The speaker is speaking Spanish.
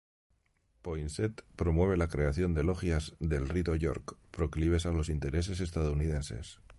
Poinsett promueve la creación de logias del Rito York, proclives a los intereses estadounidenses.